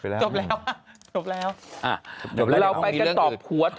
เราไปกันต่อ